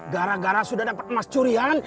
gara gara sudah dapat emas curian